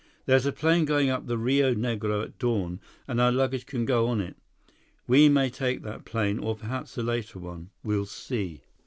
"There's a plane going up the Rio Negro at dawn, and our luggage can go on it. We may take that plane, or perhaps a later one. We'll see."